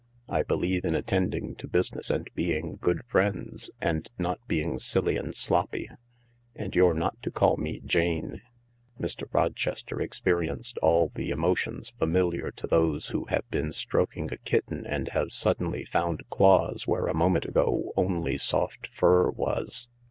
I believe in attending to business and being good friends, and not being silly and sloppy. And you're not to call me Jane." Mr. Rochester experienced all the emotions familiar to those who have been stroking a kitten and have suddenly 196 THE LARK found claws where a moment ago only soft fur was.